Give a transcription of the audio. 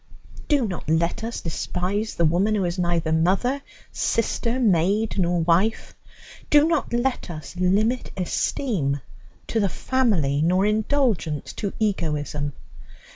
Do not let us despise the woman who is neither mother, sister, maid, nor wife. Do not let us limit esteem to the family nor indulgence to egoism.